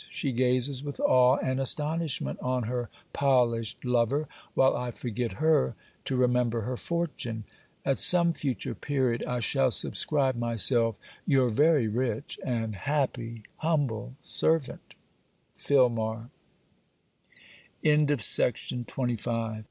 She gazes with awe and astonishment, on her polished lover: while I forget her, to remember her fortune. At some future period, I shall subscribe myself your very rich and happy humble servant, FILMAR LETTER VIII FROM SIBELLA VALMON